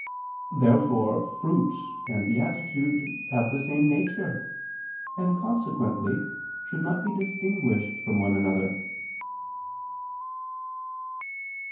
Therefore fruit and beatitude have the same nature, and consequently should not be distinguished from one another.